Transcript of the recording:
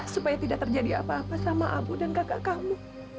supaya tidak terjadi apa apa sama abu dan kakak kamu